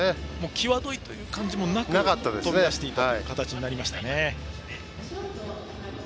際どいという感じもなく飛び出していった形になりましたね。